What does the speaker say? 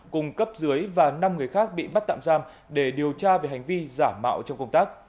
cùng cấp dưới và năm người khác bị bắt tạm giam để điều tra về hành vi giả mạo trong công tác